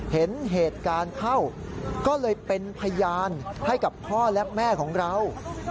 เห็นเหตุการณ์เข้าก็เลยเป็นพยานให้กับพ่อและแม่ของเรา